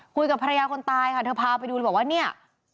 คุยกับภรรยาคนตายค่ะเธอพาไปดูเลยบอกว่าเนี่ย